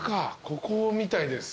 ここみたいです。